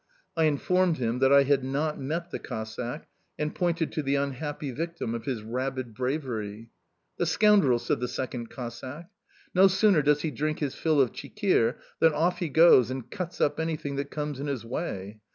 I informed him that I had not met the Cossack and pointed to the unhappy victim of his rabid bravery. "The scoundrel!" said the second Cossack. "No sooner does he drink his fill of chikhir than off he goes and cuts up anything that comes in his way.